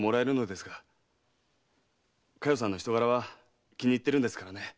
佳代さんの人柄は気に入ってるんですからね。